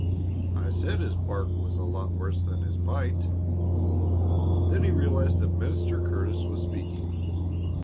"I said his bark was a lot worse than his bite." Then he realized that Mr. Curtis was speaking.